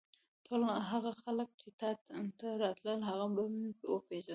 ټول هغه خلک چې تا ته راتلل هغه به مې وپېژندل.